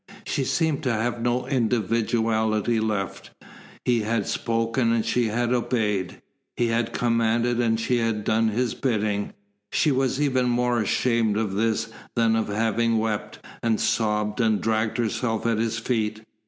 She seemed to have no individuality left. He had spoken and she had obeyed. He had commanded and she had done his bidding. She was even more ashamed of this than of having wept, and sobbed, and dragged herself at his feet.